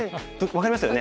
分かりますよね。